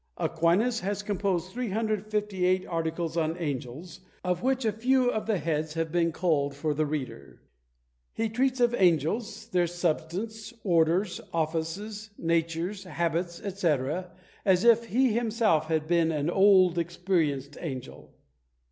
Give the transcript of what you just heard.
Aquinas has composed 358 articles on angels, of which a few of the heads have been culled for the reader. He treats of angels, their substance, orders, offices, natures, habits, &c., as if he himself had been an old experienced angel!